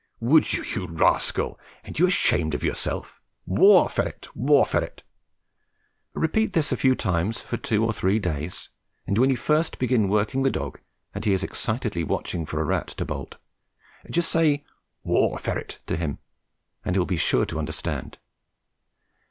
Would you, you rascal? Ain't you ashamed of yourself? War ferret, war ferret!" Repeat this a few times for two or three days, and when you first begin working the dog and he is excitedly watching for a rat to bolt, just say "War ferret" to him, and he will be sure to understand.